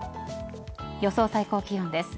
予想最高気温です。